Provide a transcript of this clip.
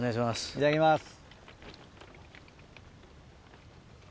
いただきます。